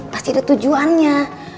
pasti ada tujuannya